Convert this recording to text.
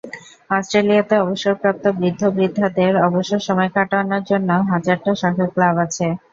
অস্ট্রেলিয়াতে অবসরপ্রাপ্ত বৃদ্ধ-বৃদ্ধাদের অবসর সময় কাটানোর জন্য হাজারটা শখের ক্লাব আছে।